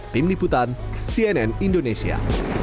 tim liputan cnn indonesia